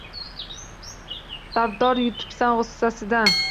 Zardob yutib g’ussasidan